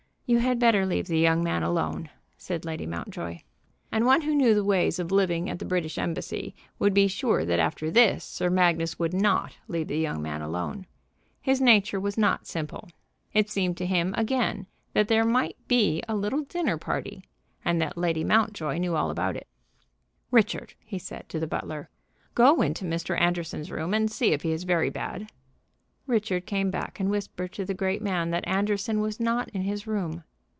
"You had better leave the young man alone," said Lady Mountjoy. And one who knew the ways of living at the British Embassy would be sure that after this Sir Magnus would not leave the young man alone. His nature was not simple. It seemed to him again that there might be a little dinner party, and that Lady Mountjoy knew all about it. "Richard," he said to the butler, "go into Mr. Anderson's room and see if he is very bad." Richard came back, and whispered to the great man that Anderson was not in his room.